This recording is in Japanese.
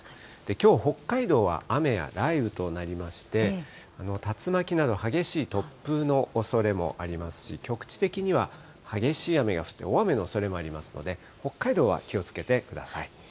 きょう北海道は雨や雷雨となりまして、竜巻など激しい突風のおそれもありますし、局地的には激しい雨が降って、大雨のおそれもありますので、北海道は気をつけてください。